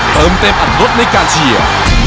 เติมเต็มอัดลดในการเชียร์